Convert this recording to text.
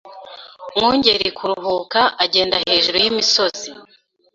Mwungeri kuruhuka Agenda hejuru yimisozi